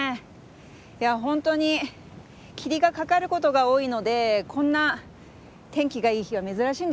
いや本当に霧がかかることが多いのでこんな天気がいい日は珍しいんですよ。